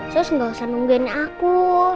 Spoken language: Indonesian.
sus gak usah nungguin aku